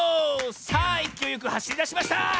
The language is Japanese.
さあいきおいよくはしりだしました！